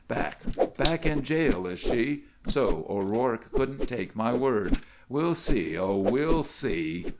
"Back, back in jail, is she! So, O'Rourke couldn't take my word! We'll see, oh, we'll see!